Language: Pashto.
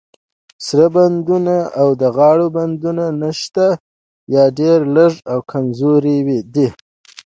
سر بندونه او د غاړو بندونه نشته، یا ډیر لږ او کمزوري دي.